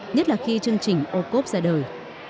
nhất là khi chương trình ô cốp ra đời